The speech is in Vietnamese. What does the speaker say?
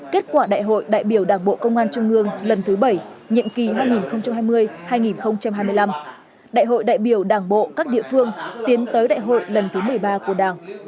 kết quả đại hội đại biểu đảng bộ công an trung ương lần thứ bảy nhiệm kỳ hai nghìn hai mươi hai nghìn hai mươi năm đại hội đại biểu đảng bộ các địa phương tiến tới đại hội lần thứ một mươi ba của đảng